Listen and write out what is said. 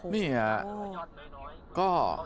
นี่อ่ะ